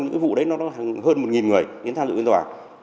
những cái vụ đấy nó hơn một người đến tham dự phiên tòa